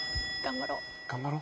頑張ろう。